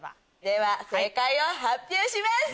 では正解を発表します！